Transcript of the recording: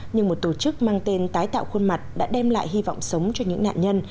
nhưng một tổ chức mang tên tái tạo khuôn mặt đã đem lại hy vọng sống cho những nạn nhân